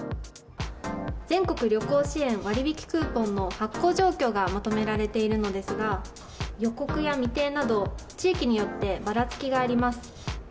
全国旅行支援割引クーポンの発行状況がまとめられているのですが予告や未定など地域によってばらつきがあります。